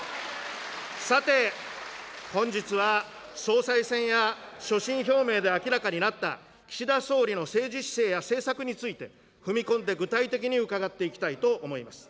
さて、本日は総裁選や所信表明で明らかになった岸田総理の政治姿勢や政策について踏み込んで具体的に伺っていきたいと思います。